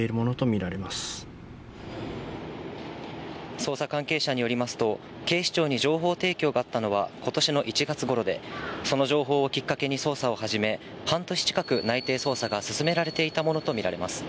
捜査関係者によりますと、警視庁に情報提供があったのは、ことしの１月頃で、その情報をきっかけに捜査をはじめ、半年近く内偵捜査が進められていたものと見られます。